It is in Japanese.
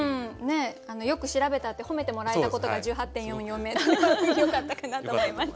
よく調べたって褒めてもらえたことが「１８．４４メートル」よかったかなと思います。